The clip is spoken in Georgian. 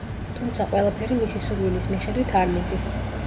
თუმცა ყველაფერი მისი სურვილის მიხედვით არ მიდის.